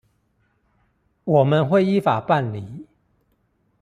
我們會依法辦理